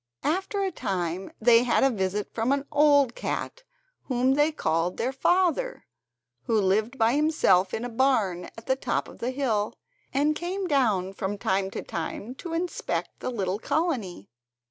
After a time they had a visit from an old cat, whom they called their father, who lived by himself in a barn at the top of the hill, and came down from time to time to inspect the little colony.